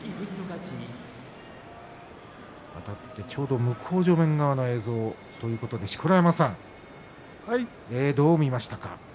あたって、ちょうど向正面側の映像ということで錣山さん、どう見ましたか。